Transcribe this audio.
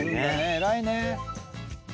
偉いね。